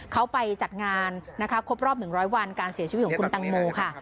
เขาไปจัดงานนะคะครบรอบ๑๐๐วันการเสียชีวิตของคุณตังโมค่ะ